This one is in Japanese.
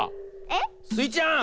えっ？スイちゃん。